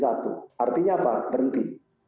artinya apa berhenti